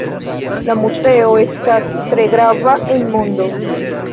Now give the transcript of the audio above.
La muzeo estas tre grava en mondo.